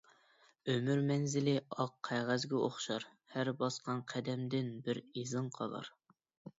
ئۆمۈر مەنزىلى ئاق قەغەزگە ئوخشار، ھەر باسقان قەدەمدىن بىر ئىزىڭ قالار.